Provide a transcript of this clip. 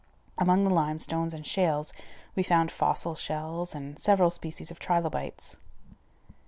Among the limestones and shales we found fossil shells and several species of trilobites.